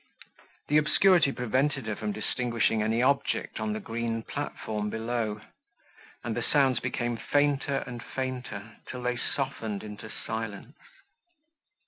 The obscurity prevented her from distinguishing any object on the green platform below; and the sounds became fainter and fainter, till they softened into silence.